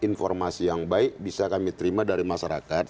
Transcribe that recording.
informasi yang baik bisa kami terima dari masyarakat